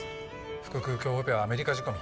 腹腔鏡オペはアメリカ仕込み。